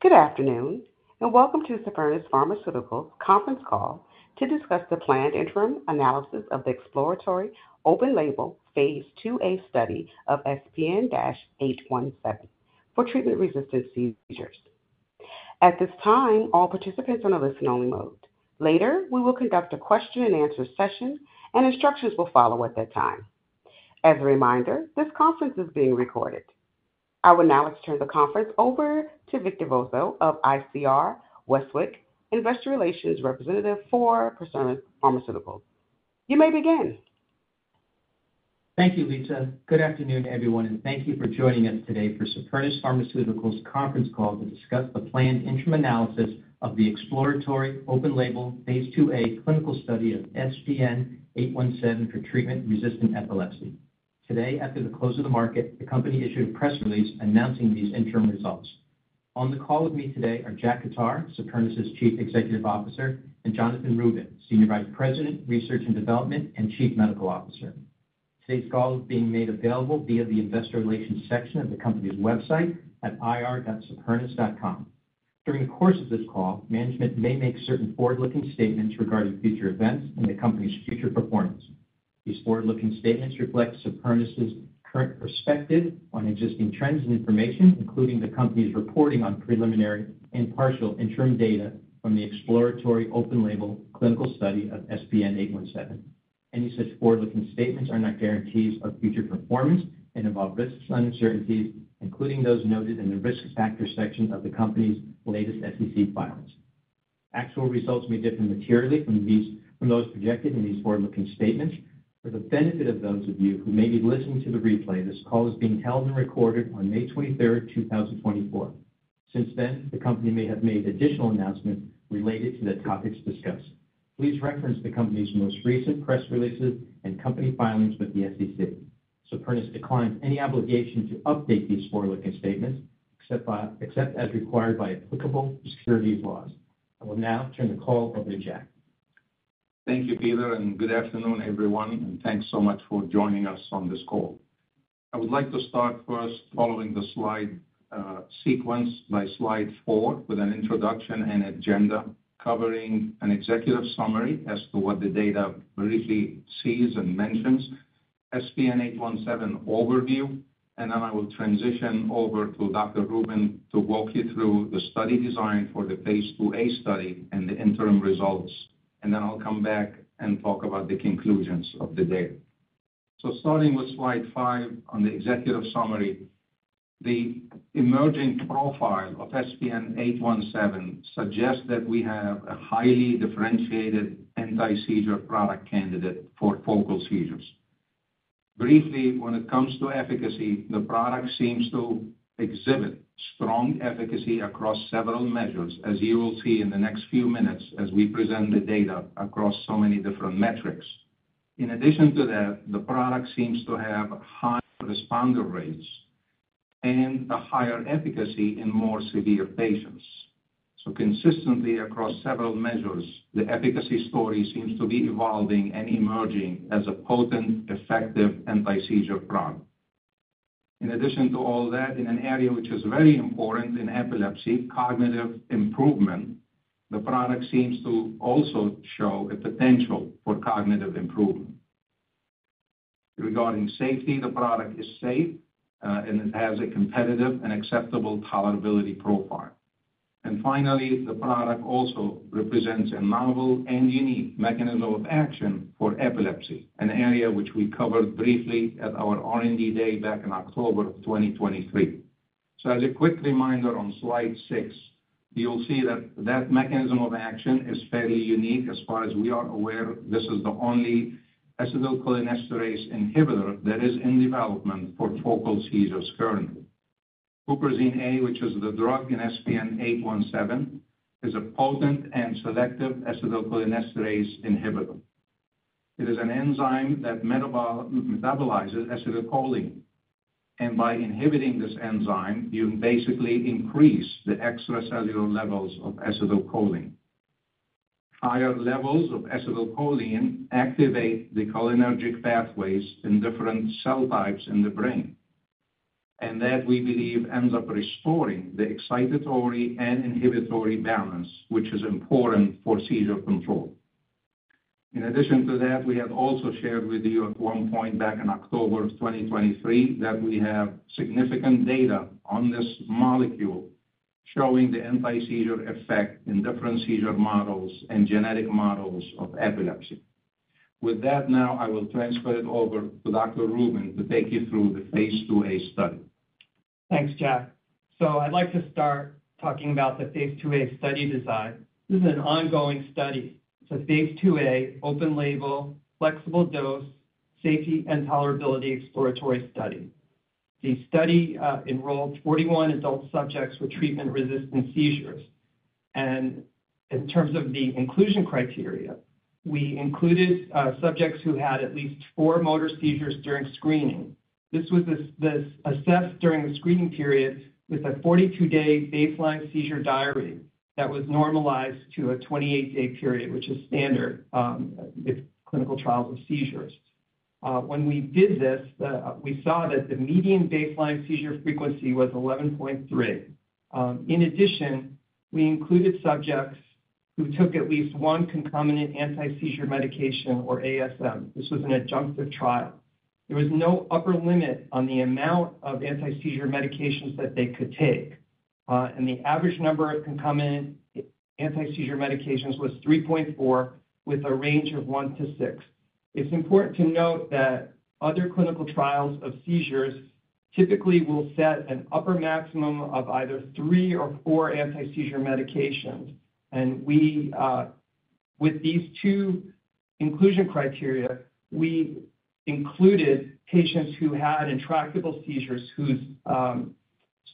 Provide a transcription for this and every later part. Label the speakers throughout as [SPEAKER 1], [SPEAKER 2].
[SPEAKER 1] Good afternoon, and welcome to Supernus Pharmaceuticals' conference call to discuss the planned interim analysis of the exploratory open-label Phase IIa study of SPN-817 for treatment-resistant seizures. At this time, all participants are in a listen-only mode. Later, we will conduct a question-and-answer session, and instructions will follow at that time. As a reminder, this conference is being recorded. I would now like to turn the conference over to Peter Vozzo of ICR Westwicke, investor relations representative for Supernus Pharmaceuticals. You may begin.
[SPEAKER 2] Thank you, Lisa. Good afternoon, everyone, and thank you for joining us today for Supernus Pharmaceuticals' conference call to discuss the planned interim analysis of the exploratory open-label Phase IIa clinical study of SPN-817 for treatment-resistant epilepsy. Today, after the close of the market, the company issued a press release announcing these interim results. On the call with me today are Jack Khattar, Supernus' Chief Executive Officer, and Jonathan Rubin, Senior Vice President, Research and Development, and Chief Medical Officer. Today's call is being made available via the investor relations section of the company's website at ir.supernus.com. During the course of this call, management may make certain forward-looking statements regarding future events and the company's future performance. These forward-looking statements reflect Supernus' current perspective on existing trends and information, including the company's reporting on preliminary and partial interim data from the exploratory open label clinical study of SPN-817. Any such forward-looking statements are not guarantees of future performance and involve risks and uncertainties, including those noted in the Risk Factors section of the company's latest SEC filings. Actual results may differ materially from those projected in these forward-looking statements. For the benefit of those of you who may be listening to the replay, this call is being held and recorded on May 23, 2024. Since then, the company may have made additional announcements related to the topics discussed. Please reference the company's most recent press releases and company filings with the SEC. Supernus declines any obligation to update these forward-looking statements, except as required by applicable securities laws. I will now turn the call over to Jack.
[SPEAKER 3] Thank you, Peter, and good afternoon, everyone, and thanks so much for joining us on this call. I would like to start first, following the slide sequence by slide 4, with an introduction and agenda, covering an executive summary as to what the data briefly sees and mentions, SPN-817 overview, and then I will transition over to Dr. Rubin to walk you through the study design for the Phase IIa study and the interim results. Then I'll come back and talk about the conclusions of the data. Starting with slide 5 on the executive summary, the emerging profile of SPN-817 suggests that we have a highly differentiated anti-seizure product candidate for focal seizures. Briefly, when it comes to efficacy, the product seems to exhibit strong efficacy across several measures, as you will see in the next few minutes as we present the data across so many different metrics. In addition to that, the product seems to have high responder rates and a higher efficacy in more severe patients. So consistently across several measures, the efficacy story seems to be evolving and emerging as a potent, effective anti-seizure product. In addition to all that, in an area which is very important in epilepsy, cognitive improvement, the product seems to also show a potential for cognitive improvement. Regarding safety, the product is safe, and it has a competitive and acceptable tolerability profile. And finally, the product also represents a novel and unique mechanism of action for epilepsy, an area which we covered briefly at our R&D day back in October of 2023. So as a quick reminder on slide 6, you'll see that that mechanism of action is fairly unique. As far as we are aware, this is the only acetylcholinesterase inhibitor that is in development for focal seizures currently. Huperzine A, which is the drug in SPN-817, is a potent and selective acetylcholinesterase inhibitor. It is an enzyme that metabolizes acetylcholine, and by inhibiting this enzyme, you basically increase the extracellular levels of acetylcholine. Higher levels of acetylcholine activate the cholinergic pathways in different cell types in the brain, and that, we believe, ends up restoring the excitatory and inhibitory balance, which is important for seizure control. In addition to that, we have also shared with you at one point back in October of 2023, that we have significant data on this molecule showing the anti-seizure effect in different seizure models and genetic models of epilepsy. With that, now, I will transfer it over to Dr. Rubin to take you through the Phase IIa study.
[SPEAKER 4] Thanks, Jack. So I'd like to start talking about the Phase IIa study design. This is an ongoing study. It's a Phase IIa, open label, flexible dose, safety and tolerability exploratory study. The study enrolled 41 adult subjects with treatment-resistant seizures. And in terms of the inclusion criteria, we included subjects who had at least 4 motor seizures during screening. This was assessed during the screening period with a 42-day baseline seizure diary that was normalized to a 28-day period, which is standard in clinical trials with seizures. When we did this, we saw that the median baseline seizure frequency was 11.3. In addition, we included subjects who took at least one concomitant anti-seizure medication or ASM. This was an adjunctive trial. There was no upper limit on the amount of anti-seizure medications that they could take. And the average number of concomitant anti-seizure medications was 3.4, with a range of 1-6. It's important to note that other clinical trials of seizures typically will set an upper maximum of either 3 or 4 anti-seizure medications. With these two inclusion criteria, we included patients who had intractable seizures, whose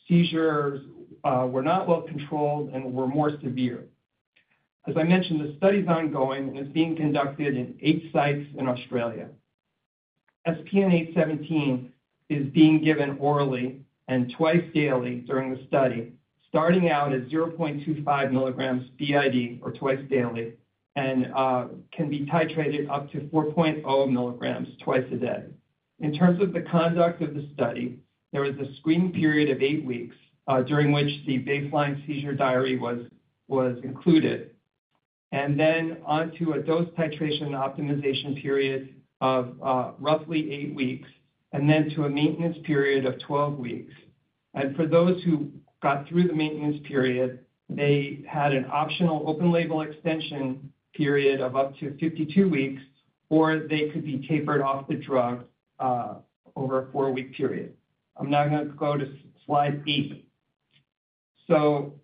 [SPEAKER 4] seizures were not well controlled and were more severe. As I mentioned, the study is ongoing and is being conducted in 8 sites in Australia. SPN-817 is being given orally and twice daily during the study, starting out at 0.25 milligrams BID or twice daily, and can be titrated up to 4.0 milligrams twice a day. In terms of the conduct of the study, there was a screening period of 8 weeks during which the baseline seizure diary was included, and then onto a dose titration optimization period of roughly 8 weeks, and then to a maintenance period of 12 weeks. For those who got through the maintenance period, they had an optional open-label extension period of up to 52 weeks, or they could be tapered off the drug over a 4-week period. I'm now going to go to Slide 8. So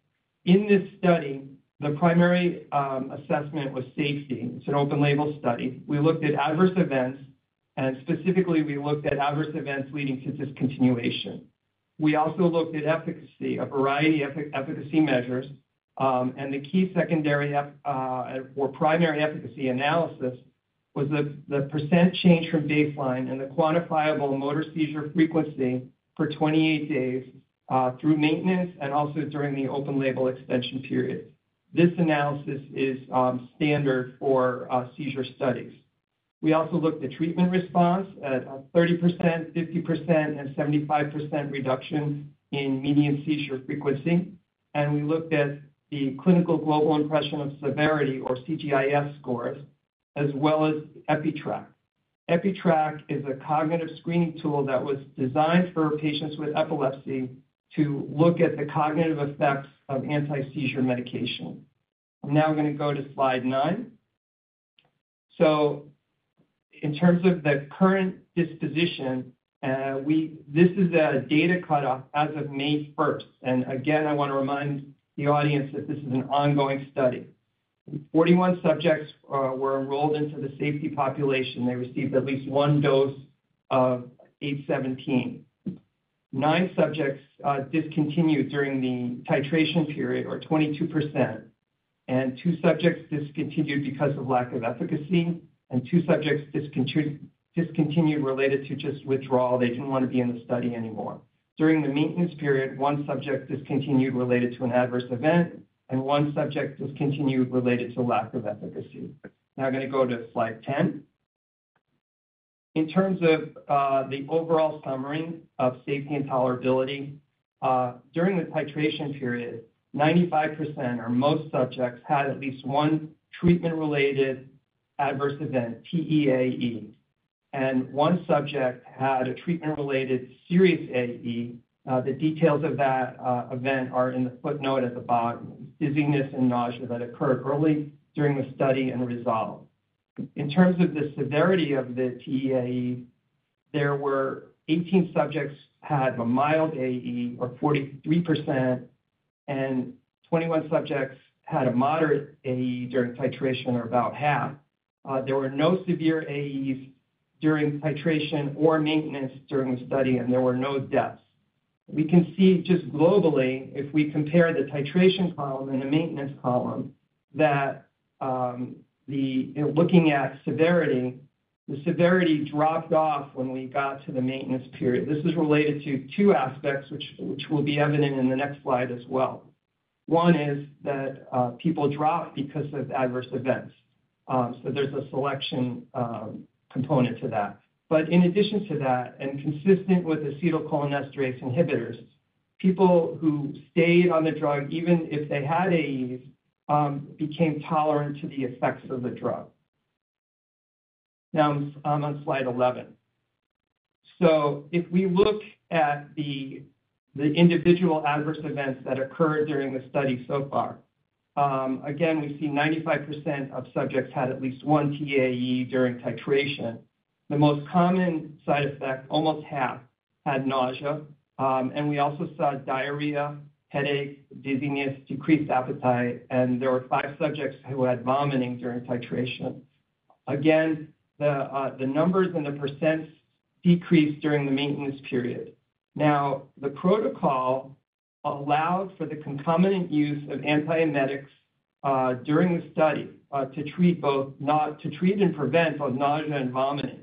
[SPEAKER 4] in this study, the primary assessment was safety. It's an open-label study. We looked at adverse events, and specifically, we looked at adverse events leading to discontinuation. We also looked at efficacy, a variety of efficacy measures, and the key secondary or primary efficacy analysis was the percent change from baseline and the quantifiable motor seizure frequency for 28 days through maintenance and also during the open-label extension period. This analysis is standard for seizure studies. We also looked at treatment response at a 30%, 50%, and 75% reduction in median seizure frequency. And we looked at the Clinical Global Impression of Severity, or CGI-S scores, as well as EpiTrack. EpiTrack is a cognitive screening tool that was designed for patients with epilepsy to look at the cognitive effects of anti-seizure medication. I'm now going to go to Slide 9. So in terms of the current disposition, this is a data cutoff as of May first. And again, I want to remind the audience that this is an ongoing study. 41 subjects were enrolled into the safety population. They received at least one dose of 817. 9 subjects discontinued during the titration period, or 22%, and 2 subjects discontinued because of lack of efficacy, and 2 subjects discontinued related to just withdrawal. They didn't want to be in the study anymore. During the maintenance period, 1 subject discontinued related to an adverse event, and 1 subject discontinued related to lack of efficacy. Now I'm going to go to Slide 10. In terms of the overall summary of safety and tolerability, during the titration period, 95% or most subjects had at least one treatment-related adverse event, TEAE, and 1 subject had a treatment-related serious AE. The details of that event are in the footnote at the bottom, dizziness and nausea that occurred early during the study and resolved. In terms of the severity of the TEAE, there were 18 subjects had a mild AE, or 43%, and 21 subjects had a moderate AE during titration, or about half. There were no severe AEs during titration or maintenance during the study, and there were no deaths. We can see just globally, if we compare the titration column and the maintenance column, that the... Looking at severity, the severity dropped off when we got to the maintenance period. This is related to two aspects, which will be evident in the next slide as well. One is that people dropped because of adverse events, so there's a selection component to that. But in addition to that, and consistent with acetylcholinesterase inhibitors, people who stayed on the drug, even if they had AEs, became tolerant to the effects of the drug. Now I'm on slide 11. So if we look at the individual adverse events that occurred during the study so far, again, we see 95% of subjects had at least one TEAE during titration. The most common side effect, almost half, had nausea, and we also saw diarrhea, headache, dizziness, decreased appetite, and there were 5 subjects who had vomiting during titration. Again, the numbers and the percents decreased during the maintenance period. Now, the protocol allows for the concomitant use of antiemetics during the study to treat and prevent both nausea and vomiting.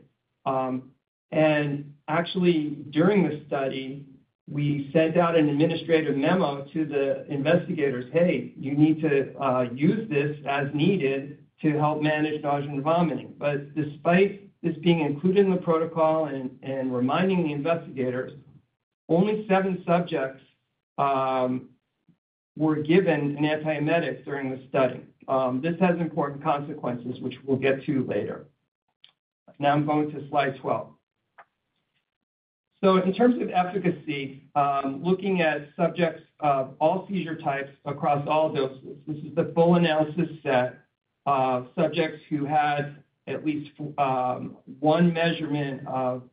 [SPEAKER 4] Actually, during the study, we sent out an administrative memo to the investigators: "Hey, you need to use this as needed to help manage nausea and vomiting." But despite this being included in the protocol and reminding the investigators, only seven subjects were given an antiemetic during the study. This has important consequences, which we'll get to later. Now I'm going to slide 12. So in terms of efficacy, looking at subjects of all seizure types across all doses, this is the full analysis set of subjects who had at least one measurement of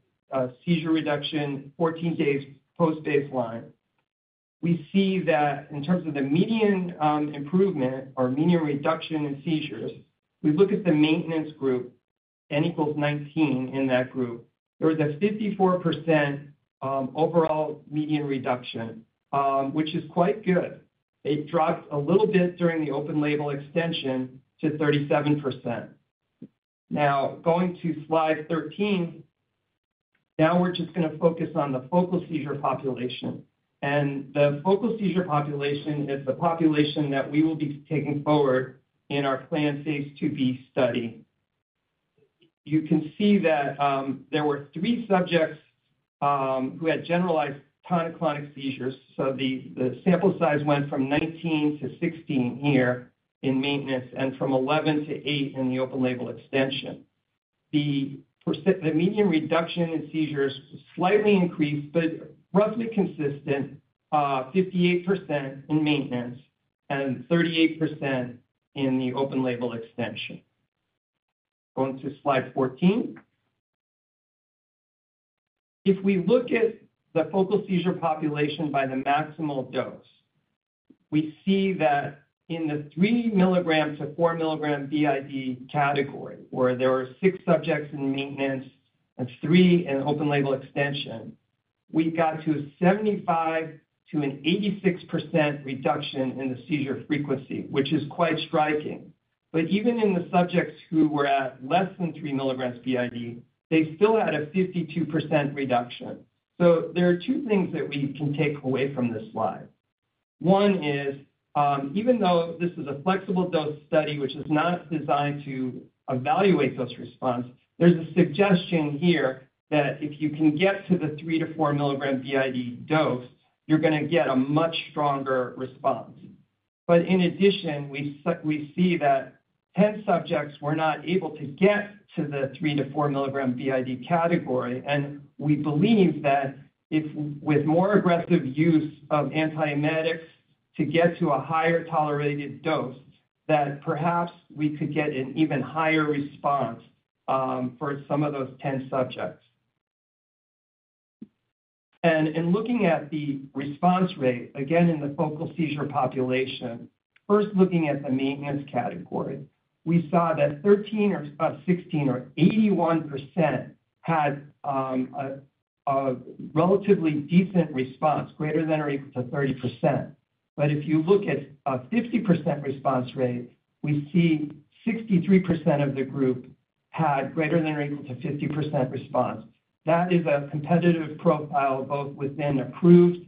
[SPEAKER 4] seizure reduction, 14 days post-baseline. We see that in terms of the median improvement or median reduction in seizures, we look at the maintenance group, N equals 19 in that group. There was a 54% overall median reduction, which is quite good. It drops a little bit during the open-label extension to 37%. Now, going to slide 13, now we're just going to focus on the focal seizure population. The focal seizure population is the population that we will be taking forward in our planned Phase IIb study. You can see that there were 3 subjects who had generalized tonic-clonic seizures, so the sample size went from 19 to 16 here in maintenance, and from 11 to 8 in the open-label extension. The median reduction in seizures slightly increased, but roughly consistent, 58% in maintenance and 38% in the open-label extension. Going to slide 14. If we look at the focal seizure population by the maximal dose, we see that in the 3 mg-4 mg BID category, where there were 6 subjects in maintenance and 3 in open-label extension, we got to a 75%-86% reduction in the seizure frequency, which is quite striking. But even in the subjects who were at less than 3 mg BID, they still had a 52% reduction. So there are two things that we can take away from this slide. One is, even though this is a flexible dose study, which is not designed to evaluate dose response, there's a suggestion here that if you can get to the 3-4 mg BID dose, you're going to get a much stronger response. But in addition, we see that 10 subjects were not able to get to the 3-4 milligram BID category, and we believe that if with more aggressive use of antiemetics to get to a higher tolerated dose, that perhaps we could get an even higher response, for some of those 10 subjects. In looking at the response rate, again, in the focal seizure population, first looking at the maintenance category, we saw that 13 or 16 or 81% had a relatively decent response, greater than or equal to 30%. But if you look at a 50% response rate, we see 63% of the group had greater than or equal to 50% response. That is a competitive profile, both within approved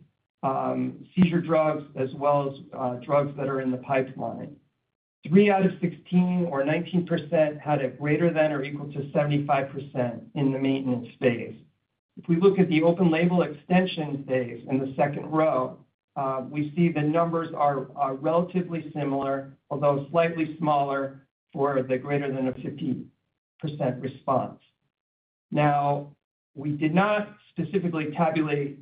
[SPEAKER 4] seizure drugs as well as drugs that are in the pipeline. 3 out of 16, or 19%, had a greater than or equal to 75% in the maintenance phase. If we look at the open label extension phase in the second row, we see the numbers are relatively similar, although slightly smaller for the greater than a 50% response. Now, we did not specifically tabulate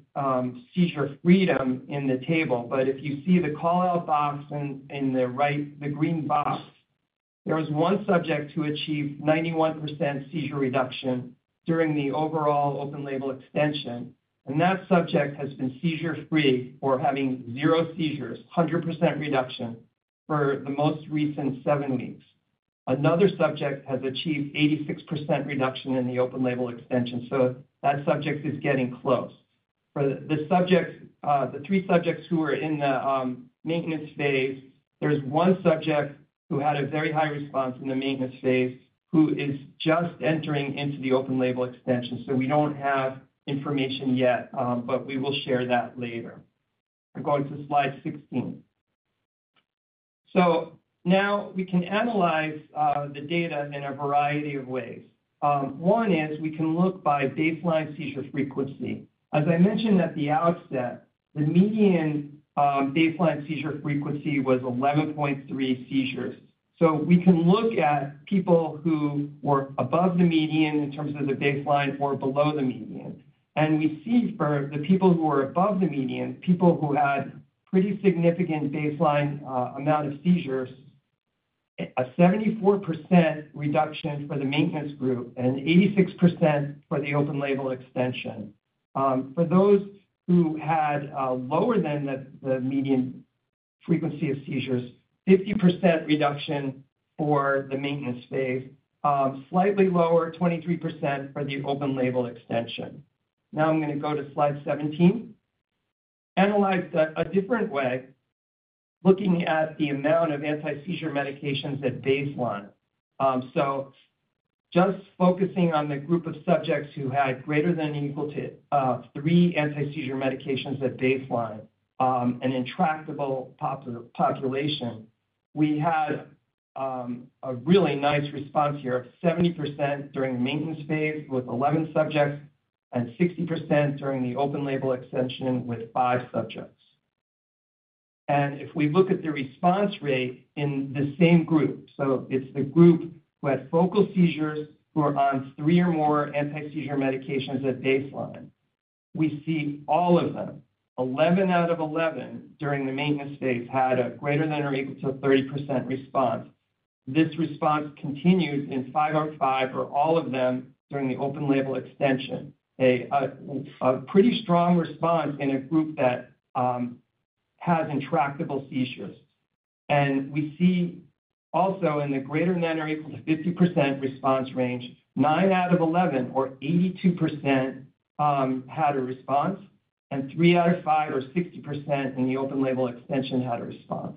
[SPEAKER 4] seizure freedom in the table, but if you see the call-out box in the right, the green box, there was one subject who achieved 91% seizure reduction during the overall open label extension, and that subject has been seizure-free or having zero seizures, 100% reduction, for the most recent 7 weeks. Another subject has achieved 86% reduction in the open label extension, so that subject is getting close. For the subjects, the 3 subjects who were in the maintenance phase, there's 1 subject who had a very high response in the maintenance phase, who is just entering into the open-label extension, so we don't have information yet, but we will share that later. We're going to slide 16. So now we can analyze the data in a variety of ways. One is we can look by baseline seizure frequency. As I mentioned at the outset, the median baseline seizure frequency was 11.3 seizures. So we can look at people who were above the median in terms of the baseline or below the median. We see for the people who were above the median, people who had pretty significant baseline amount of seizures, a 74% reduction for the maintenance group and 86% for the open-label extension. For those who had a lower than the median frequency of seizures, 50% reduction for the maintenance phase, slightly lower, 23%, for the open-label extension. Now I'm going to go to slide 17.... analyze that a different way, looking at the amount of anti-seizure medications at baseline. So just focusing on the group of subjects who had greater than or equal to 3 anti-seizure medications at baseline, an intractable population, we had a really nice response here, 70% during the maintenance phase with 11 subjects and 60% during the open-label extension with 5 subjects. If we look at the response rate in the same group, so it's the group who had focal seizures, who are on 3 or more anti-seizure medications at baseline. We see all of them, 11 out of 11 during the maintenance phase, had a greater than or equal to 30% response. This response continued in 5 out of 5, or all of them, during the open-label extension. A, a pretty strong response in a group that, has intractable seizures. And we see also in the greater than or equal to 50% response range, 9 out of 11 or 82%, had a response, and 3 out of 5 or 60% in the open-label extension had a response.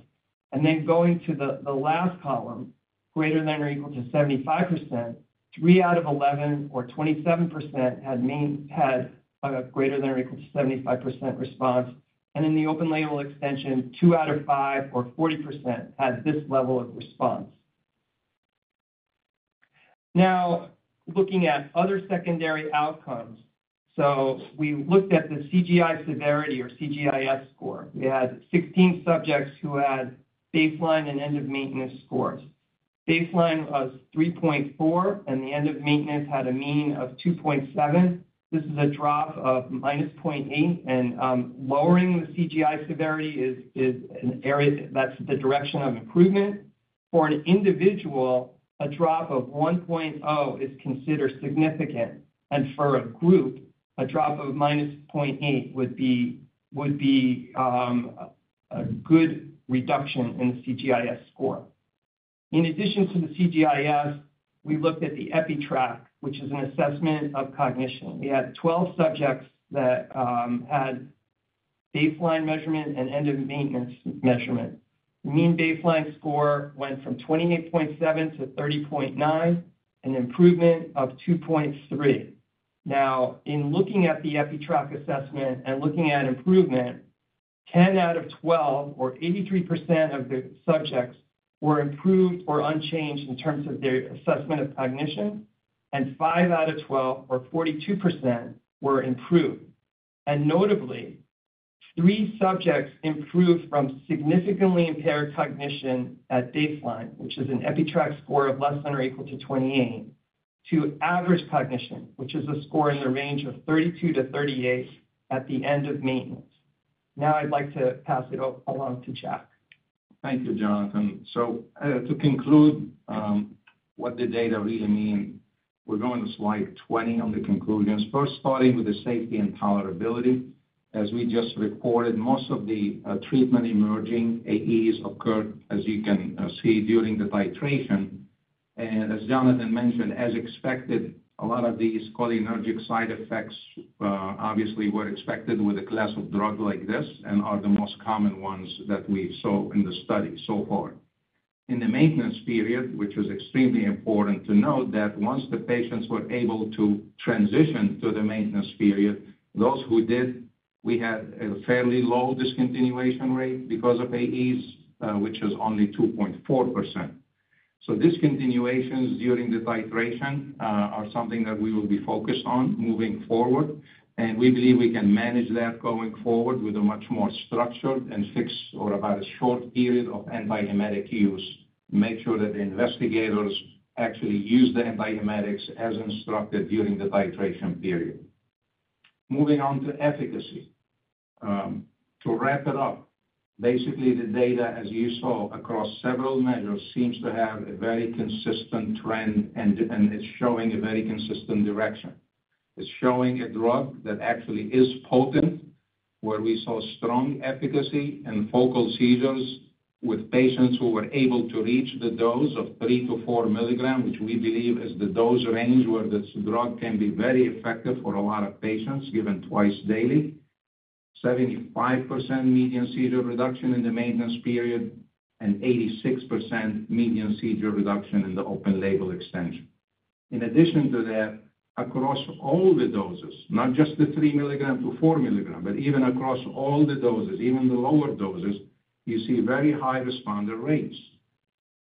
[SPEAKER 4] And then going to the last column, greater than or equal to 75%, 3 out of 11 or 27% had a greater than or equal to 75% response. And in the open-label extension, 2 out of 5 or 40% had this level of response. Now, looking at other secondary outcomes. So we looked at the CGI severity or CGI-S score. We had 16 subjects who had baseline and end of maintenance scores. Baseline was 3.4, and the end of maintenance had a mean of 2.7. This is a drop of -0.8, and lowering the CGI severity is an area that's the direction of improvement. For an individual, a drop of 1.0 is considered significant, and for a group, a drop of -0.8 would be a good reduction in CGI-S score. In addition to the CGI-S, we looked at the EpiTrack, which is an assessment of cognition. We had 12 subjects that had baseline measurement and end of maintenance measurement. Mean baseline score went from 28.7 to 30.9, an improvement of 2.3. Now, in looking at the EpiTrack assessment and looking at improvement, 10 out of 12 or 83% of the subjects were improved or unchanged in terms of their assessment of cognition, and 5 out of 12 or 42% were improved. And notably, three subjects improved from significantly impaired cognition at baseline, which is an EpiTrack score of less than or equal to 28, to average cognition, which is a score in the range of 32-38 at the end of maintenance. Now, I'd like to pass it along to Jack.
[SPEAKER 3] Thank you, Jonathan. So, to conclude, what the data really mean, we're going to slide 20 on the conclusions. First, starting with the safety and tolerability. As we just reported, most of the treatment-emergent AEs occurred, as you can see during the titration. And as Jonathan mentioned, as expected, a lot of these cholinergic side effects obviously were expected with a class of drug like this and are the most common ones that we saw in the study so far. In the maintenance period, which was extremely important to note, that once the patients were able to transition to the maintenance period, those who did, we had a fairly low discontinuation rate because of AEs, which is only 2.4%. So discontinuations during the titration are something that we will be focused on moving forward, and we believe we can manage that going forward with a much more structured and fixed or about a short period of antiemetic use. Make sure that the investigators actually use the antiemetics as instructed during the titration period. Moving on to efficacy. To wrap it up, basically, the data, as you saw across several measures, seems to have a very consistent trend, and it's showing a very consistent direction. It's showing a drug that actually is potent, where we saw strong efficacy and focal seizures with patients who were able to reach the dose of three to four milligrams, which we believe is the dose range, where this drug can be very effective for a lot of patients, given twice daily. 75% median seizure reduction in the maintenance period and 86% median seizure reduction in the open-label extension. In addition to that, across all the doses, not just the 3 mg-4 mg, but even across all the doses, even the lower doses, you see very high responder rates.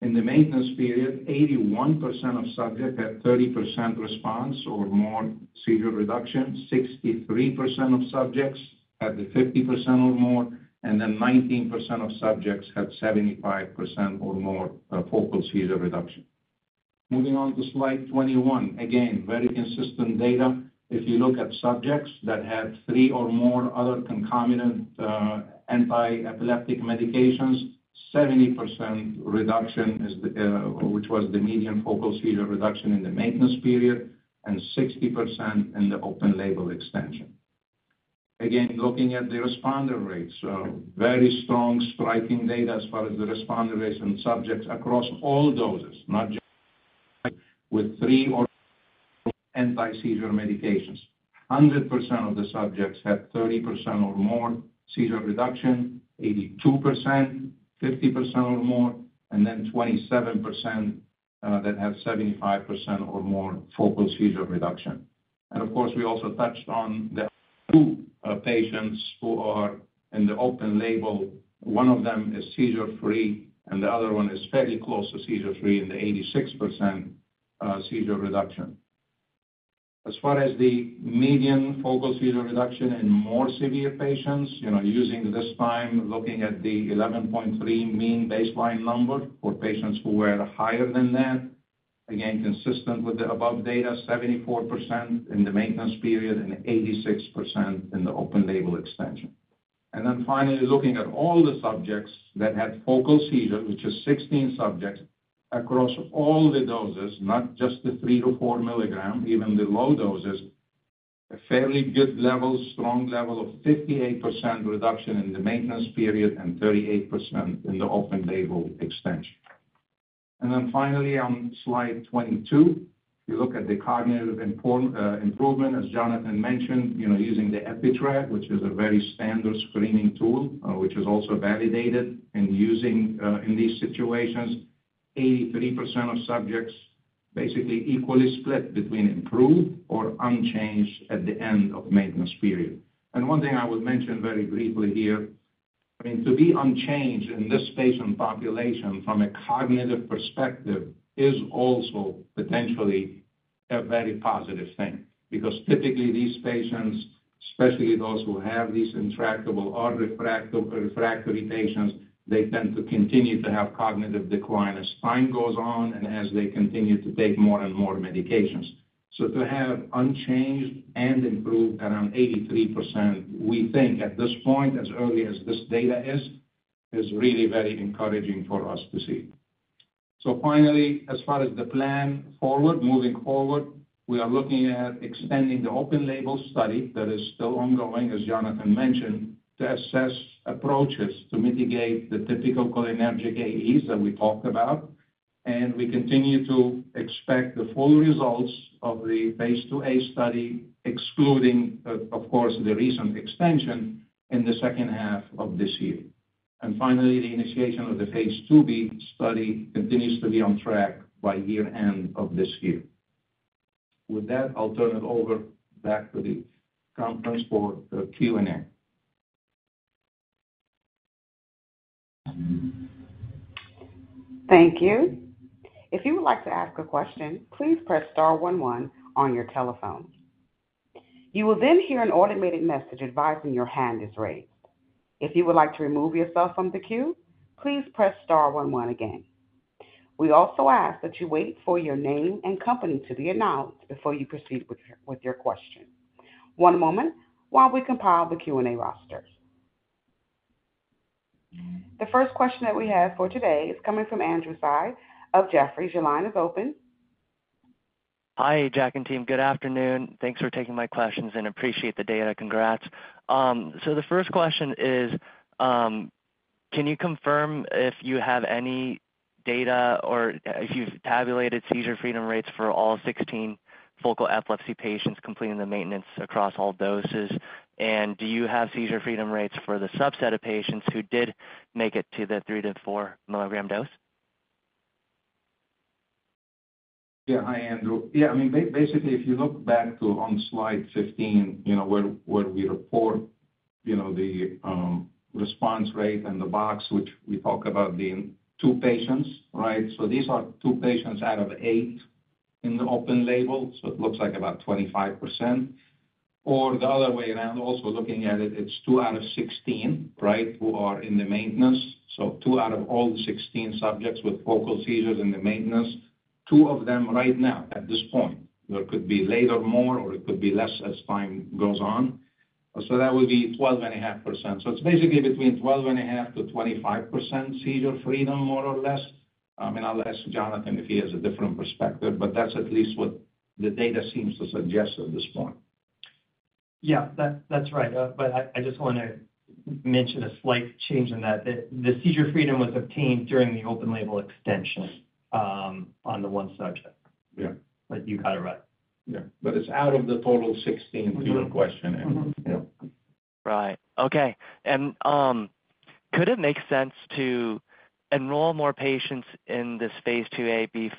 [SPEAKER 3] In the maintenance period, 81% of subjects had 30% response or more seizure reduction, 63% of subjects had the 50% or more, and then 19% of subjects had 75% or more, focal seizure reduction. Moving on to slide 21. Again, very consistent data. If you look at subjects that had 3 or more other concomitant, anti-epileptic medications, 70% reduction is the, which was the median focal seizure reduction in the maintenance period and 60% in the open-label extension. Again, looking at the responder rates, very strong, striking data as far as the responder rates and subjects across all doses, not just with three or anti-seizure medications. 100% of the subjects had 30% or more seizure reduction, 82%, 50% or more, and then 27% that have 75% or more focal seizure reduction. And of course, we also touched on the two patients who are in the open label. One of them is seizure-free, and the other one is fairly close to seizure-free in the 86% seizure reduction. As far as the median focal seizure reduction in more severe patients, you know, using this time, looking at the 11.3 mean baseline number for patients who were higher than that, again, consistent with the above data, 74% in the maintenance period and 86% in the open-label extension. Then finally, looking at all the subjects that had focal seizure, which is 16 subjects across all the doses, not just the 3-4 milligram, even the low doses, a fairly good level, strong level of 58% reduction in the maintenance period and 38% in the open-label extension. Then finally, on slide 22, we look at the cognitive improvement, as Jonathan mentioned, you know, using the EpiTrack, which is a very standard screening tool, which is also validated. In these situations, 83% of subjects basically equally split between improved or unchanged at the end of maintenance period. One thing I will mention very briefly here, I mean, to be unchanged in this patient population from a cognitive perspective is also potentially a very positive thing. Because typically these patients, especially those who have these intractable or refractory patients, they tend to continue to have cognitive decline as time goes on and as they continue to take more and more medications. So to have unchanged and improved around 83%, we think at this point, as early as this data is, is really very encouraging for us to see. So finally, as far as the plan forward, moving forward, we are looking at extending the open-label study that is still ongoing, as Jonathan mentioned, to assess approaches to mitigate the typical cholinergic AEs that we talked about. We continue to expect the full results of the Phase IIa study, excluding, of course, the recent extension in the second half of this year. Finally, the initiation of the Phase IIb study continues to be on track by year-end of this year. With that, I'll turn it over back to the conference for the Q&A.
[SPEAKER 1] Thank you. If you would like to ask a question, please press star one one on your telephone. You will then hear an automated message advising your hand is raised. If you would like to remove yourself from the queue, please press star one one again. We also ask that you wait for your name and company to be announced before you proceed with your question. One moment while we compile the Q&A roster. The first question that we have for today is coming from Andrew Tsai of Jefferies. Your line is open.
[SPEAKER 5] Hi, Jack and team. Good afternoon. Thanks for taking my questions and appreciate the data. Congrats. So the first question is, can you confirm if you have any data or if you've tabulated seizure freedom rates for all 16 focal epilepsy patients completing the maintenance across all doses? And do you have seizure freedom rates for the subset of patients who did make it to the 3-4 mg dose?
[SPEAKER 3] Yeah. Hi, Andrew. Yeah, I mean, basically, if you look back to on slide 15, you know, where we report, you know, the response rate and the box, which we talk about being two patients, right? So these are two patients out of eight in the open label, so it looks like about 25%. Or the other way around, also looking at it, it's two out of 16, right, who are in the maintenance. So two out of all 16 subjects with focal seizures in the maintenance. Two of them right now, at this point, there could be later more, or it could be less as time goes on. So that would be 12.5%. So it's basically between 12.5%-25% seizure freedom, more or less. I mean, I'll ask Jonathan if he has a different perspective, but that's at least what the data seems to suggest at this point.
[SPEAKER 4] Yeah, that's right. But I just wanna mention a slight change in that the seizure freedom was obtained during the open-label extension, on the one subject.
[SPEAKER 3] Yeah.
[SPEAKER 4] But you got it right.
[SPEAKER 3] Yeah. But it's out of the total 16 in question, Andrew. Yeah.
[SPEAKER 5] Right. Okay. And could it make sense to enroll more patients in this Phase IIa,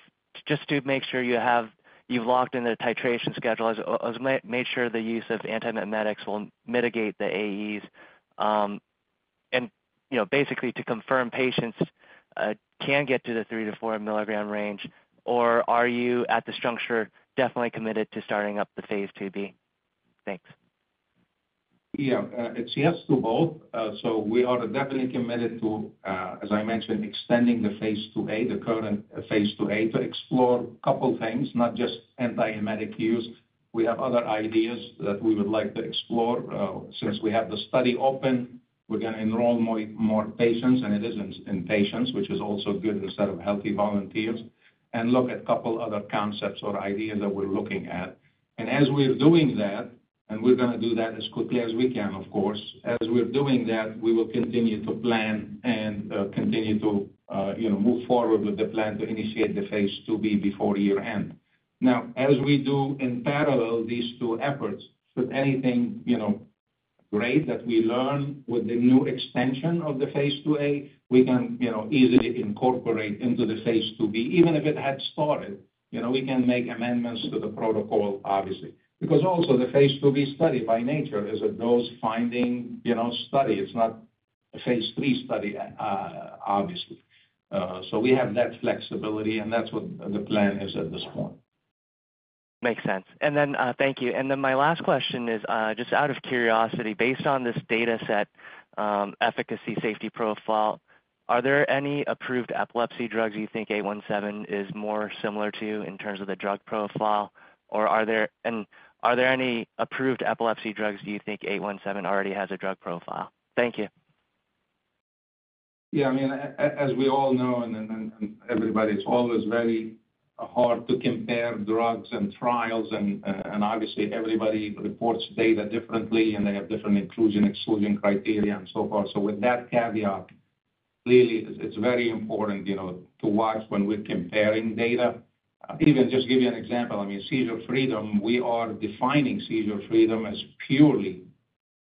[SPEAKER 5] just to make sure you have... You've locked in the titration schedule, as to make sure the use of antiemetics will mitigate the AEs, and you know, basically to confirm patients can get to the 3-4 mg range, or are you at this juncture definitely committed to starting up the Phase IIb? Thanks.
[SPEAKER 3] Yeah, it's yes to both. So we are definitely committed to, as I mentioned, extending the Phase IIa, the current Phase IIa, to explore a couple things, not just antiemetic use. We have other ideas that we would like to explore. Since we have the study open, we're going to enroll more patients, and it is in patients, which is also good instead of healthy volunteers, and look at a couple other concepts or ideas that we're looking at. And we're gonna do that as quickly as we can, of course. As we're doing that, we will continue to plan and continue to, you know, move forward with the plan to initiate the Phase IIb before year-end. Now, as we do in parallel these two efforts, so anything, you know, great that we learn with the new extension of the Phase IIa, we can, you know, easily incorporate into the Phase IIb. Even if it had started, you know, we can make amendments to the protocol, obviously. Because also the Phase IIb study by nature is a dose-finding, you know, study. It's not a Phase III study, obviously. So we have that flexibility, and that's what the plan is at this point.
[SPEAKER 5] Makes sense. And then, thank you. And then my last question is, just out of curiosity, based on this data set, efficacy, safety profile, are there any approved epilepsy drugs you think 817 is more similar to in terms of the drug profile? Or are there-- and are there any approved epilepsy drugs do you think 817 already has a drug profile? Thank you.
[SPEAKER 3] Yeah, I mean, as we all know, and everybody, it's always very hard to compare drugs and trials and, and obviously, everybody reports data differently, and they have different inclusion, exclusion criteria, and so forth. So with that caveat, clearly, it's very important, you know, to watch when we're comparing data. Even just to give you an example, I mean, seizure freedom, we are defining seizure freedom as purely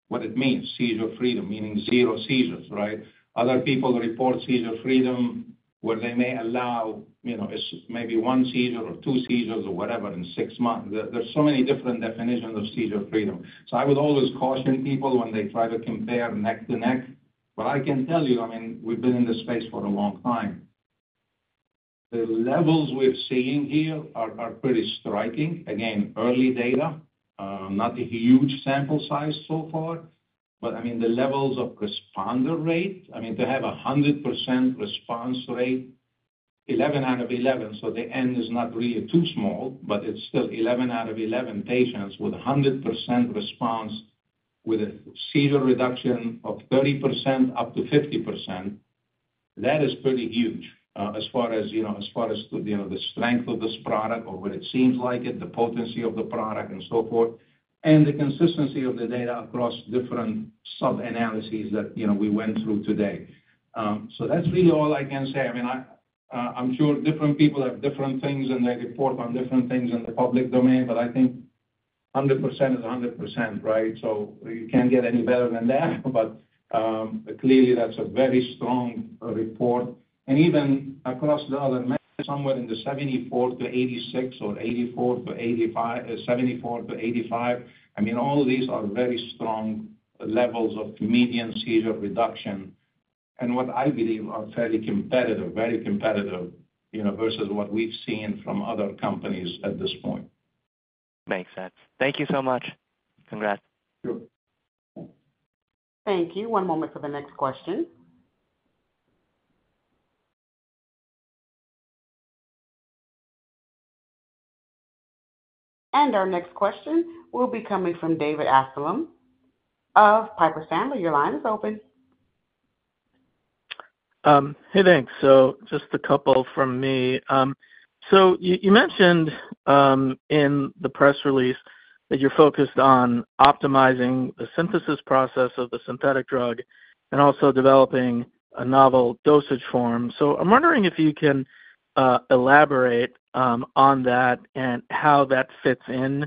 [SPEAKER 3] what it means, seizure freedom, meaning zero seizures, right? Other people report seizure freedom, where they may allow, you know, it's maybe one seizure or two seizures or whatever in six months. There's so many different definitions of seizure freedom. So I would always caution people when they try to compare neck to neck. But I can tell you, I mean, we've been in this space for a long time. The levels we're seeing here are pretty striking. Again, early data, not a huge sample size so far, but I mean, the levels of responder rate, I mean, to have a 100% response rate, 11 out of 11, so the end is not really too small, but it's still 11 out of 11 patients with a 100% response, with a seizure reduction of 30%-50%. That is pretty huge, as far as, you know, as far as, you know, the strength of this product or what it seems like, and the potency of the product and so forth, and the consistency of the data across different sub-analyses that, you know, we went through today. So that's really all I can say. I mean, I, I'm sure different people have different things, and they report on different things in the public domain, but I think 100% is a 100%, right? So you can't get any better than that. But, clearly, that's a very strong report. And even across the other measures, somewhere in the 74-86 or 84-85, 74-85, I mean, all of these are very strong levels of median seizure reduction, and what I believe are fairly competitive, very competitive, you know, versus what we've seen from other companies at this point.
[SPEAKER 5] Makes sense. Thank you so much. Congrats.
[SPEAKER 3] Sure.
[SPEAKER 1] Thank you. One moment for the next question. And our next question will be coming from David Amsellem of Piper Sandler. Your line is open.
[SPEAKER 6] Hey, thanks. So just a couple from me. So you mentioned in the press release that you're focused on optimizing the synthesis process of the synthetic drug and also developing a novel dosage form. So I'm wondering if you can elaborate on that and how that fits in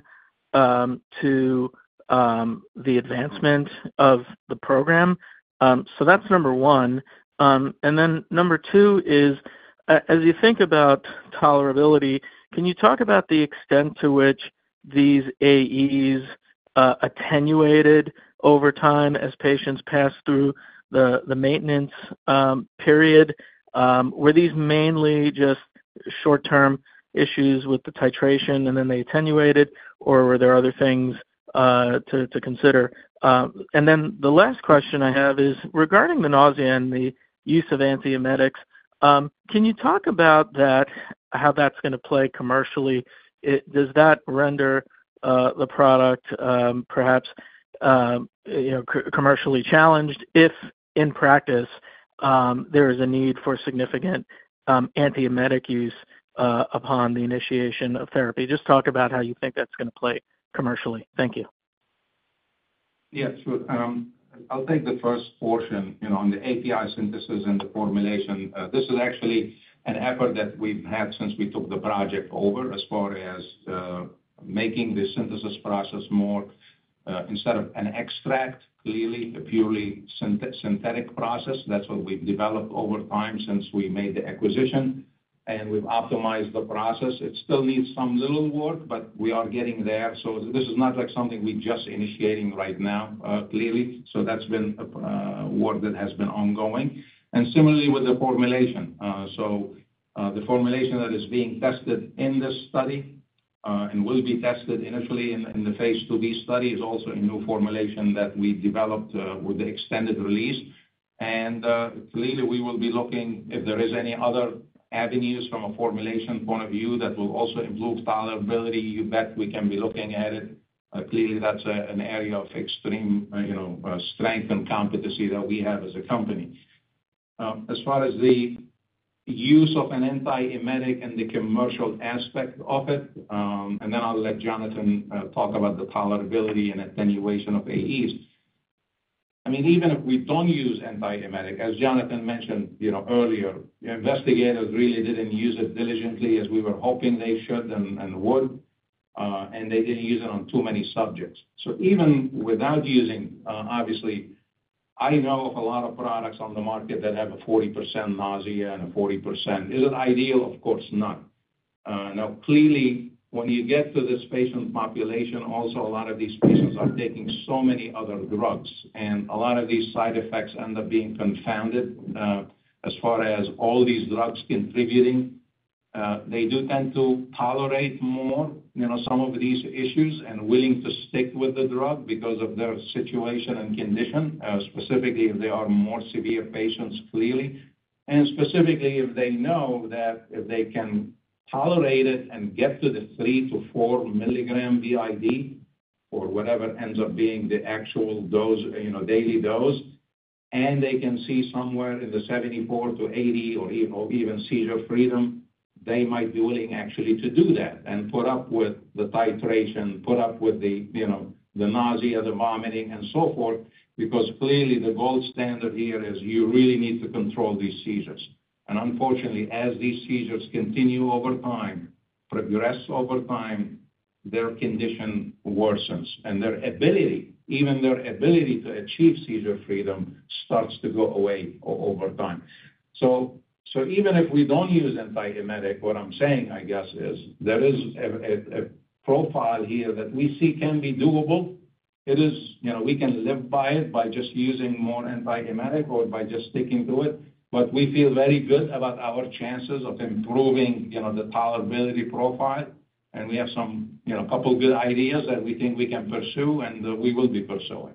[SPEAKER 6] to the advancement of the program. So that's number one. And then number two is, as you think about tolerability, can you talk about the extent to which these AEs attenuated over time as patients passed through the maintenance period? Were these mainly just short-term issues with the titration, and then they attenuated, or were there other things to consider? And then the last question I have is regarding the nausea and the use of antiemetics. Can you talk about that, how that's gonna play commercially? It does that render the product perhaps, you know, commercially challenged if in practice there is a need for significant antiemetic use upon the initiation of therapy? Just talk about how you think that's gonna play commercially. Thank you.
[SPEAKER 3] Yeah, sure. I'll take the first portion, you know, on the API synthesis and the formulation. This is actually an effort that we've had since we took the project over, as far as making the synthesis process more, instead of an extract, clearly a purely synthetic process. That's what we've developed over time since we made the acquisition, and we've optimized the process. It still needs some little work, but we are getting there. So this is not like something we're just initiating right now, clearly. So that's been work that has been ongoing. And similarly with the formulation. So, the formulation that is being tested in this study, and will be tested initially in the Phase IIb study, is also a new formulation that we developed, with the extended release. Clearly, we will be looking if there is any other avenues from a formulation point of view that will also improve tolerability. You bet we can be looking at it. Clearly, that's an area of extreme, you know, strength and competency that we have as a company. As far as use of an antiemetic and the commercial aspect of it, and then I'll let Jonathan talk about the tolerability and attenuation of AEs. I mean, even if we don't use antiemetic, as Jonathan mentioned, you know, earlier, the investigators really didn't use it diligently as we were hoping they should and would, and they didn't use it on too many subjects. So even without using, obviously, I know of a lot of products on the market that have a 40% nausea and a 40%. Is it ideal? Of course not. Now, clearly, when you get to this patient population, also a lot of these patients are taking so many other drugs, and a lot of these side effects end up being confounded, as far as all these drugs contributing. They do tend to tolerate more, you know, some of these issues and willing to stick with the drug because of their situation and condition, specifically if they are more severe patients, clearly, and specifically if they know that if they can tolerate it and get to the 3-4 milligram BID, or whatever ends up being the actual dose, you know, daily dose, and they can see somewhere in the 74-80 or even seizure freedom, they might be willing actually to do that and put up with the titration, put up with the, you know, the nausea, the vomiting, and so forth, because clearly the gold standard here is you really need to control these seizures. Unfortunately, as these seizures continue over time, progress over time, their condition worsens, and their ability, even their ability to achieve seizure freedom starts to go away over time. So even if we don't use antiemetic, what I'm saying, I guess, is there is a profile here that we see can be doable. It is, you know, we can live by it by just using more antiemetic or by just sticking to it. But we feel very good about our chances of improving, you know, the tolerability profile. And we have some, you know, couple good ideas that we think we can pursue and that we will be pursuing.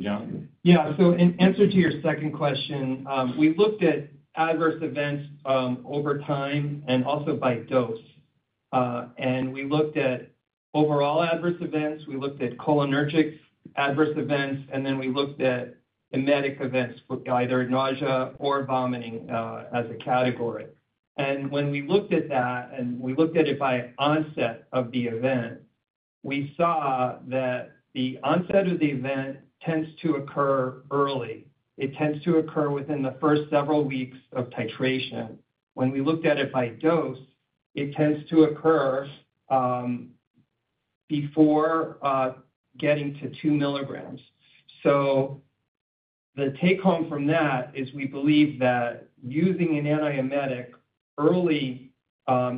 [SPEAKER 3] Jonathan?
[SPEAKER 4] Yeah. So in answer to your second question, we looked at adverse events over time and also by dose. We looked at overall adverse events, we looked at cholinergic adverse events, and then we looked at emetic events for either nausea or vomiting as a category. When we looked at that, and we looked at it by onset of the event, we saw that the onset of the event tends to occur early. It tends to occur within the first several weeks of titration. When we looked at it by dose, it tends to occur before getting to 2 milligrams. So the take-home from that is we believe that using an antiemetic early,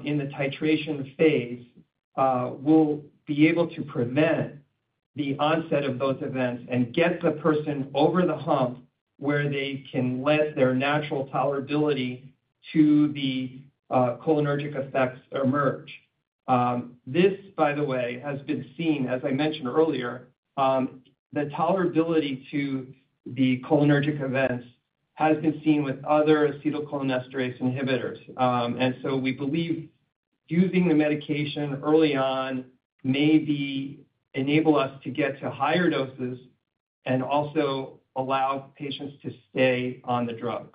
[SPEAKER 4] in the titration phase, will be able to prevent the onset of those events and get the person over the hump where they can let their natural tolerability to the cholinergic effects emerge. This, by the way, has been seen, as I mentioned earlier, the tolerability to the cholinergic events has been seen with other acetylcholinesterase inhibitors. And so we believe using the medication early on may enable us to get to higher doses and also allow patients to stay on the drug.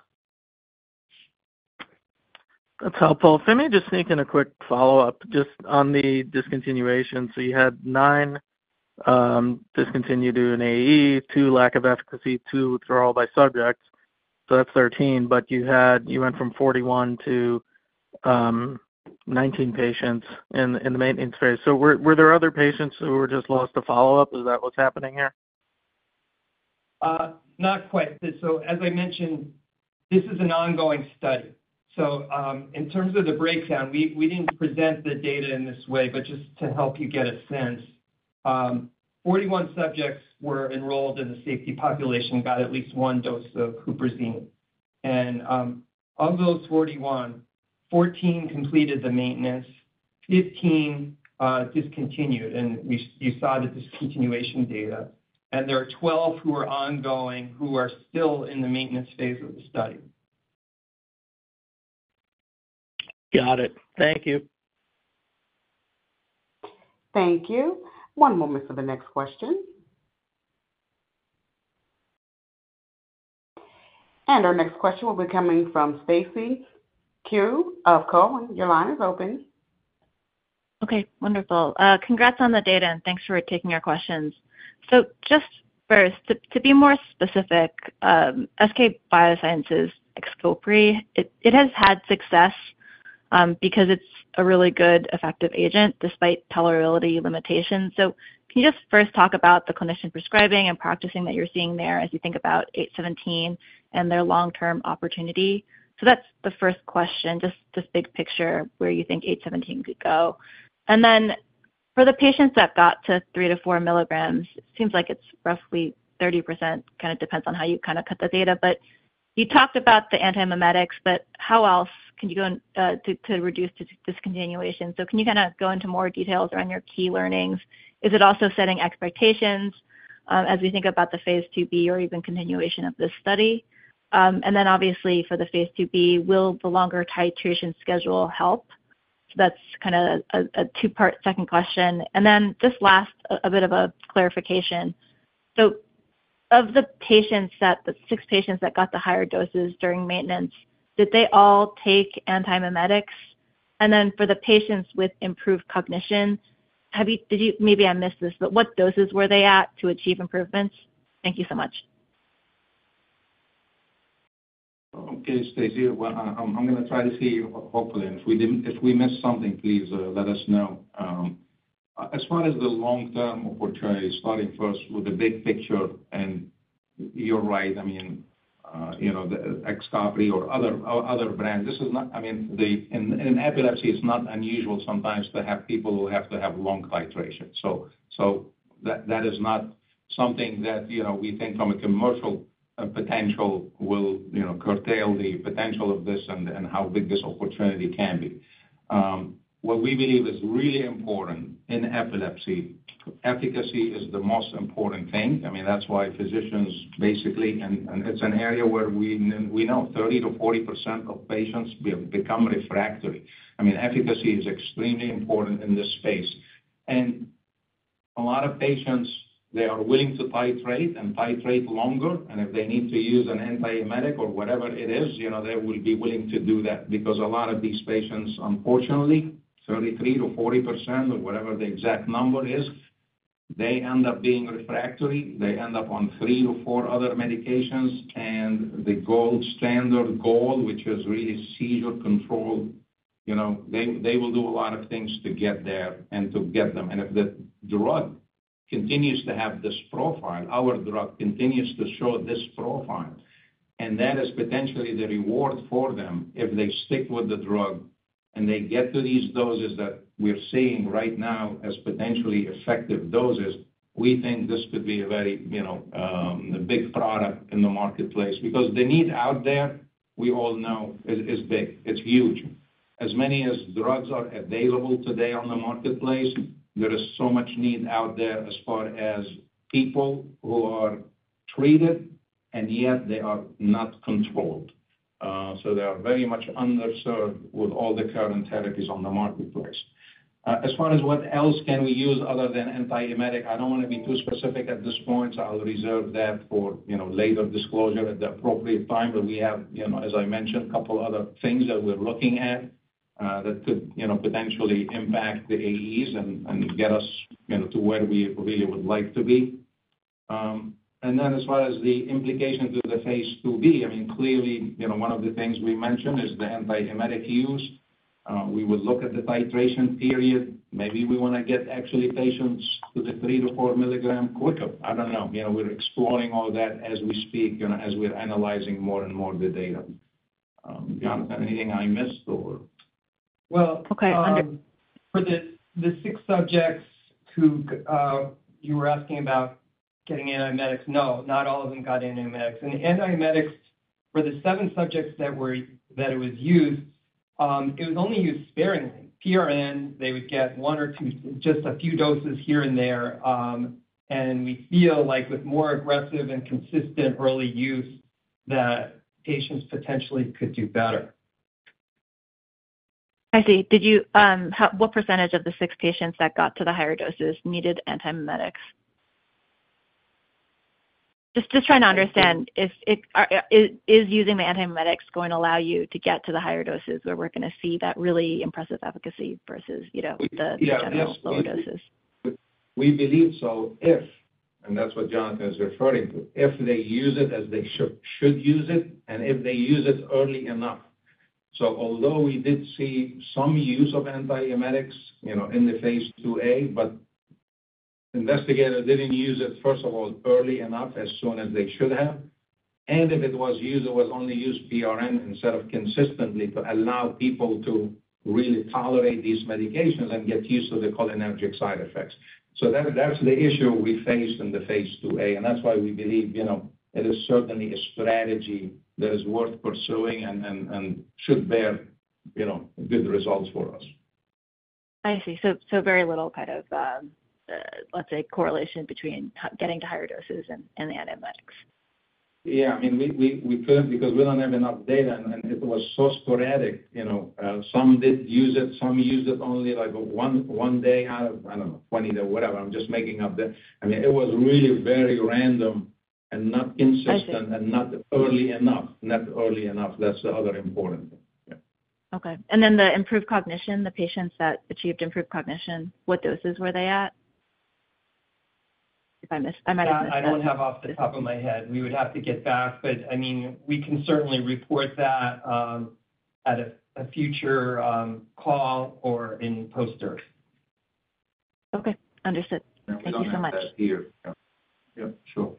[SPEAKER 6] That's helpful. So let me just sneak in a quick follow-up just on the discontinuation. So you had 9 discontinued due an AE, 2 lack of efficacy, 2 withdrawal by subjects, so that's 13, but you had—you went from 41 to 19 patients in the maintenance phase. So were there other patients who were just lost to follow-up? Is that what's happening here?
[SPEAKER 4] Not quite. So as I mentioned, this is an ongoing study. In terms of the breakdown, we didn't present the data in this way, but just to help you get a sense. 41 subjects were enrolled in the safety population, got at least one dose of huperzine. And, of those 41, 14 completed the maintenance, 15 discontinued, and you saw the discontinuation data. And there are 12 who are ongoing, who are still in the maintenance phase of the study.
[SPEAKER 6] Got it. Thank you.
[SPEAKER 1] Thank you. One moment for the next question. Our next question will be coming from Stacy Ku of TD Cowen. Your line is open.
[SPEAKER 7] Okay, wonderful. Congrats on the data, and thanks for taking our questions. So just first, to be more specific, SK Biopharmaceuticals, Xcopri, it has had success, because it's a really good effective agent despite tolerability limitations. So can you just first talk about the clinician prescribing and practicing that you're seeing there as you think about SPN-817 and their long-term opportunity? So that's the first question, just big picture, where you think SPN-817 could go. And then for the patients that got to 3-4 milligrams, it seems like it's roughly 30%, kind of depends on how you kind of cut the data. But you talked about the antiemetics, but how else can you go to reduce discontinuation? So can you kind of go into more details around your key learnings? Is it also setting expectations as we think about the Phase IIb or even continuation of this study? And then obviously for the Phase IIb, will the longer titration schedule help? So that's kind of a two-part second question. And then just last, a bit of a clarification. Of the six patients that got the higher doses during maintenance, did they all take antiemetics? And then for the patients with improved cognition, did you, maybe I missed this, but what doses were they at to achieve improvements? Thank you so much.
[SPEAKER 3] Okay, Stacy, well, I'm gonna try to see you. Hopefully, if we didn't, if we missed something, please let us know. As far as the long-term opportunity, starting first with the big picture, and you're right, I mean, you know, the Xcopri or other, other brand, this is not—I mean, the, in, in epilepsy, it's not unusual sometimes to have people who have to have long titration. So, that is not something that, you know, we think from a commercial potential will, you know, curtail the potential of this and how big this opportunity can be. What we believe is really important in epilepsy, efficacy is the most important thing. I mean, that's why physicians, basically, and it's an area where we know 30%-40% of patients become refractory. I mean, efficacy is extremely important in this space. A lot of patients, they are willing to titrate and titrate longer, and if they need to use an antiemetic or whatever it is, you know, they will be willing to do that because a lot of these patients, unfortunately, 33%-40% or whatever the exact number is, they end up being refractory. They end up on 3 or 4 other medications, and the gold standard goal, which is really seizure control, you know, they, they will do a lot of things to get there and to get them. And if the drug continues to have this profile, our drug continues to show this profile, and that is potentially the reward for them if they stick with the drug and they get to these doses that we're seeing right now as potentially effective doses, we think this could be a very, you know, a big product in the marketplace. Because the need out there, we all know, is big, it's huge. As many as drugs are available today on the marketplace, there is so much need out there as far as people who are treated, and yet they are not controlled. So they are very much underserved with all the current therapies on the marketplace. As far as what else can we use other than antiemetic, I don't wanna be too specific at this point, so I'll reserve that for, you know, later disclosure at the appropriate time. But we have, you know, as I mentioned, a couple other things that we're looking at, that could, you know, potentially impact the AEs and, and get us, you know, to where we really would like to be. And then as far as the implications of the Phase IIb, I mean, clearly, you know, one of the things we mentioned is the antiemetic use. We would look at the titration period. Maybe we wanna get actually patients to the 3-4 milligram quicker. I don't know. You know, we're exploring all that as we speak and as we're analyzing more and more of the data. Jonathan, anything I missed or?
[SPEAKER 4] Well-
[SPEAKER 7] Okay, under-
[SPEAKER 4] For the six subjects who you were asking about getting antiemetics, no, not all of them got antiemetics. And antiemetics, for the seven subjects that it was used, it was only used sparingly. PRN, they would get one or two, just a few doses here and there, and we feel like with more aggressive and consistent early use, that patients potentially could do better.
[SPEAKER 7] I see. Did you, what percentage of the six patients that got to the higher doses needed antiemetics? Just trying to understand if using the antiemetics is going to allow you to get to the higher doses where we're gonna see that really impressive efficacy versus, you know, the-
[SPEAKER 3] Yeah.
[SPEAKER 7] general lower doses?
[SPEAKER 3] We believe so, if—and that's what Jonathan is referring to—if they use it as they should, should use it, and if they use it early enough. So although we did see some use of antiemetics, you know, in the Phase IIa, but investigators didn't use it, first of all, early enough, as soon as they should have. And if it was used, it was only used PRN instead of consistently to allow people to really tolerate these medications and get used to the cholinergic side effects. So that, that's the issue we faced in the Phase IIa, and that's why we believe, you know, it is certainly a strategy that is worth pursuing and should bear, you know, good results for us.
[SPEAKER 7] I see. So very little kind of, let's say, correlation between getting to higher doses and the antiemetics.
[SPEAKER 3] Yeah, I mean, we couldn't because we don't have enough data, and it was so sporadic, you know, some did use it, some used it only, like, one day out of, I don't know, 20 or whatever, I'm just making up the... I mean, it was really very random and not consistent-
[SPEAKER 7] I see.
[SPEAKER 3] and not early enough. Not early enough, that's the other important thing. Yeah.
[SPEAKER 7] Okay. And then the improved cognition, the patients that achieved improved cognition, what doses were they at? If I missed, I might have missed that.
[SPEAKER 4] Yeah, I don't have off the top of my head. We would have to get back, but I mean, we can certainly report that at a future call or in poster.
[SPEAKER 7] Okay, understood.
[SPEAKER 3] Yeah.
[SPEAKER 7] Thank you so much.
[SPEAKER 3] We don't have that here. Yeah, sure.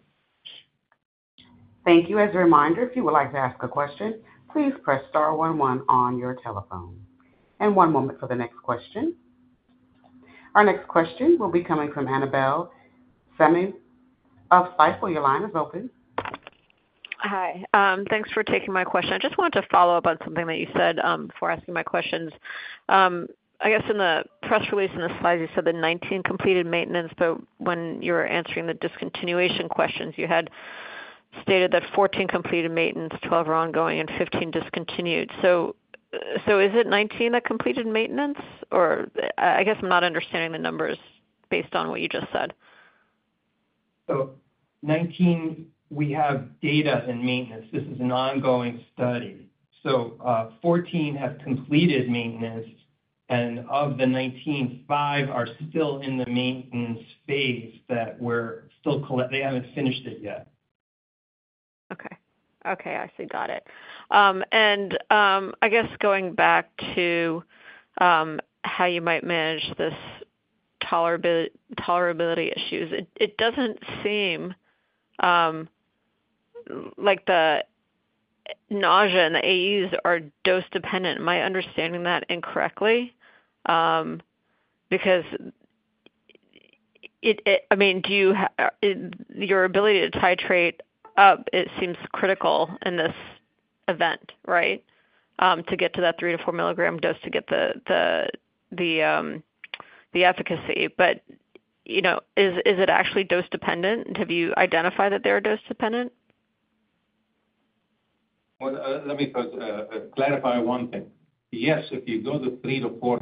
[SPEAKER 1] Thank you. As a reminder, if you would like to ask a question, please press star one one on your telephone. One moment for the next question. Our next question will be coming from Annabel Samimy of Stifel. Your line is open.
[SPEAKER 8] Hi, thanks for taking my question. I just wanted to follow up on something that you said before asking my questions. I guess in the press release, in the slides, you said the 19 completed maintenance, but when you were answering the discontinuation questions, you stated that 14 completed maintenance, 12 are ongoing, and 15 discontinued. So, is it 19 that completed maintenance? Or, I guess I'm not understanding the numbers based on what you just said.
[SPEAKER 4] So 19, we have data in maintenance. This is an ongoing study. So, 14 have completed maintenance, and of the 19, five are still in the maintenance phase. They haven't finished it yet.
[SPEAKER 8] Okay. Okay, I see, got it. And, I guess going back to, how you might manage this tolerability issues. It doesn't seem like the nausea and the AEs are dose-dependent. Am I understanding that incorrectly? Because it-- I mean, your ability to titrate up, it seems critical in this event, right? To get to that 3-4 milligram dose to get the efficacy. But, you know, is it actually dose dependent? Have you identified that they are dose dependent?
[SPEAKER 3] Well, let me clarify one thing. Yes, if you go to 3-4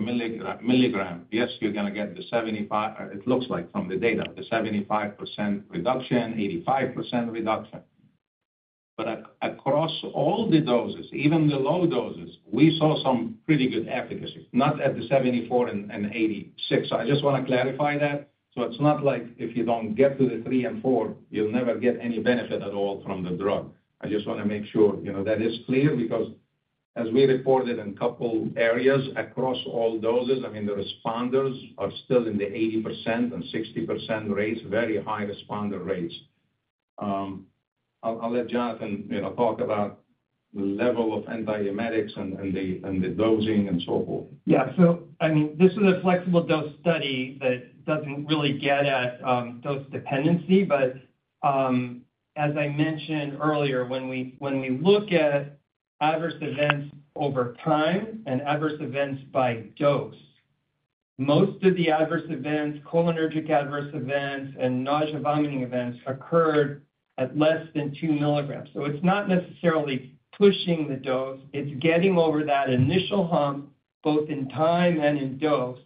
[SPEAKER 3] milligram, yes, you're going to get the 75%, it looks like from the data, the 75% reduction, 85% reduction. But across all the doses, even the low doses, we saw some pretty good efficacy, not at the 74 and 86. I just want to clarify that. So it's not like if you don't get to the 3 and 4, you'll never get any benefit at all from the drug. I just want to make sure, you know, that is clear, because as we reported in a couple areas across all doses, I mean, the responders are still in the 80% and 60% rates, very high responder rates. I'll let Jonathan, you know, talk about the level of antiemetics and the dosing and so forth.
[SPEAKER 4] Yeah. So, I mean, this is a flexible dose study that doesn't really get at, dose dependency. But, as I mentioned earlier, when we look at adverse events over time and adverse events by dose, most of the adverse events, cholinergic adverse events, and nausea, vomiting events occurred at less than 2 milligrams. So it's not necessarily pushing the dose, it's getting over that initial hump, both in time and in dose,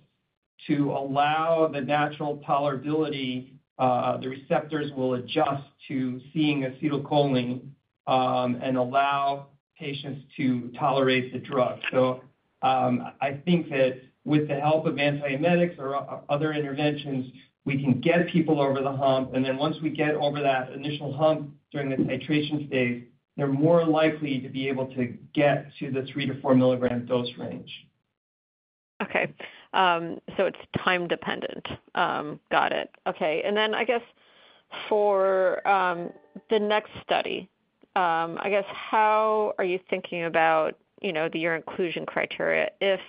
[SPEAKER 4] to allow the natural tolerability, the receptors will adjust to seeing acetylcholine, and allow patients to tolerate the drug. So, I think that with the help of antiemetics or other interventions, we can get people over the hump, and then once we get over that initial hump during the titration stage, they're more likely to be able to get to the 3-4 milligram dose range.
[SPEAKER 8] Okay, so it's time dependent. Got it. Okay. And then I guess for the next study, I guess, how are you thinking about, you know, your inclusion criteria if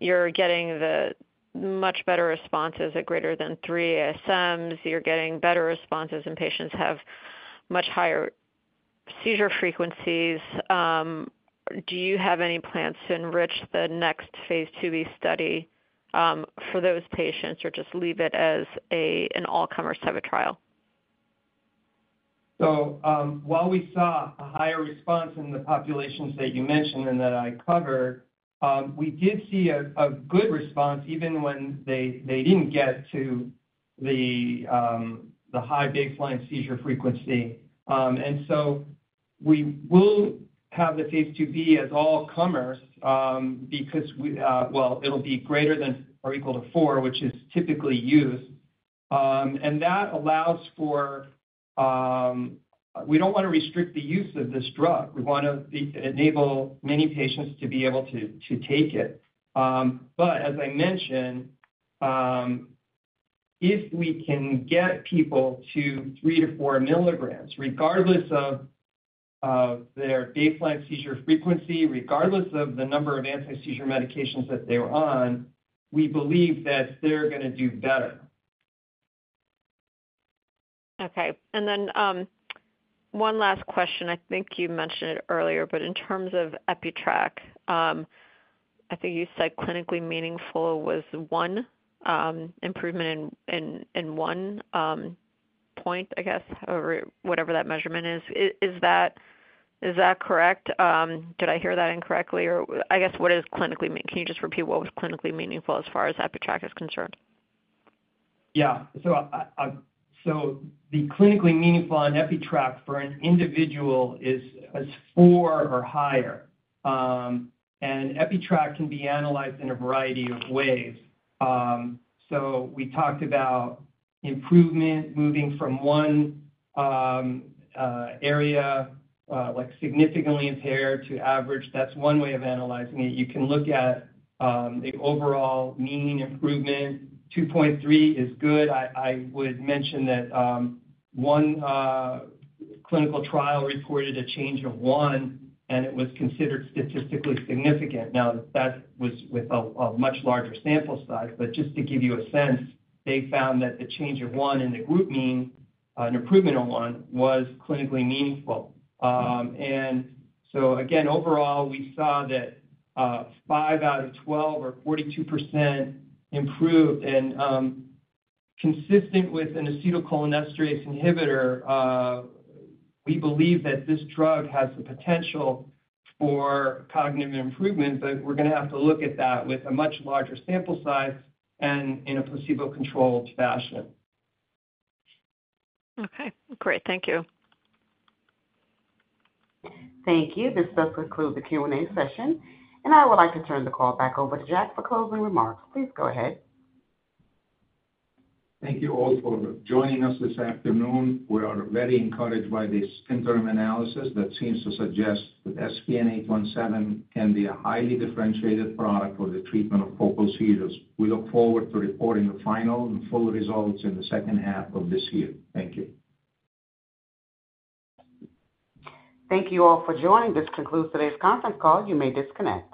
[SPEAKER 8] you're getting the much better responses at greater than three ASMs, you're getting better responses, and patients have much higher seizure frequencies. Do you have any plans to enrich the next Phase IIb study for those patients, or just leave it as an all-comer type of trial?
[SPEAKER 4] So, while we saw a higher response in the populations that you mentioned and that I covered, we did see a good response even when they didn't get to the high baseline seizure frequency. And so we will have the Phase IIb as all comers, because we, well, it'll be greater than or equal to 4, which is typically used. And that allows for... We don't want to restrict the use of this drug. We want to enable many patients to be able to take it. But as I mentioned, if we can get people to 3-4 milligrams, regardless of their baseline seizure frequency, regardless of the number of anti-seizure medications that they're on, we believe that they're going to do better.
[SPEAKER 8] Okay. And then, one last question. I think you mentioned it earlier, but in terms of EpiTrack, I think you said clinically meaningful was one improvement in one point, I guess, or whatever that measurement is. Is that, is that correct? Did I hear that incorrectly, or I guess, what is clinically mean? Can you just repeat what was clinically meaningful as far as EpiTrack is concerned?
[SPEAKER 4] Yeah. So the clinically meaningful on EpiTrack for an individual is four or higher. And EpiTrack can be analyzed in a variety of ways. So we talked about improvement, moving from one area, like significantly impaired to average. That's one way of analyzing it. You can look at the overall mean improvement. 2.3 is good. I would mention that one clinical trial reported a change of one, and it was considered statistically significant. Now, that was with a much larger sample size, but just to give you a sense, they found that the change of one in the group mean, an improvement of one, was clinically meaningful. And so again, overall, we saw that five out of 12 or 42% improved. Consistent with an acetylcholinesterase inhibitor, we believe that this drug has the potential for cognitive improvement, but we're going to have to look at that with a much larger sample size and in a placebo-controlled fashion.
[SPEAKER 8] Okay, great. Thank you.
[SPEAKER 1] Thank you. This does conclude the Q&A session, and I would like to turn the call back over to Jack for closing remarks. Please go ahead.
[SPEAKER 3] Thank you all for joining us this afternoon. We are very encouraged by this interim analysis that seems to suggest that SPN-817 can be a highly differentiated product for the treatment of focal seizures. We look forward to reporting the final and full results in the second half of this year. Thank you.
[SPEAKER 1] Thank you all for joining. This concludes today's conference call. You may disconnect.